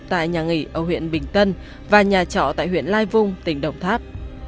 tại nhà nghỉ ở huyện bình tân và nhà trọ tại huyện lai vung tỉnh đồng tháp